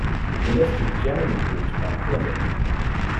The list is generally grouped by quadrant.